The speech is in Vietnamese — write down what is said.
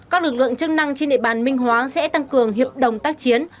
các lực lượng chức năng trên địa bàn nguyễn hòa sẽ tăng cường hiệp đồng tác chiến